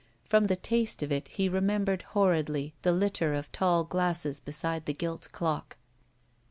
From the taste of it he remem bered horridly the litter of tall glasses beside the gilt dock.